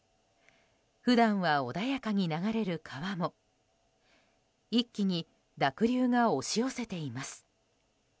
普段は穏やかに流れる川も一気に濁流が押し寄せています。